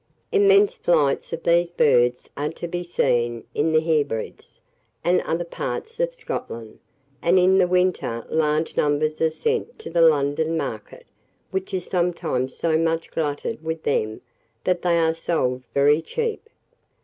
Immense flights of these birds are to be seen in the Hebrides, and other parts of Scotland; and, in the winter, large numbers are sent to the London market, which is sometimes so much glutted with them that they are sold very cheap.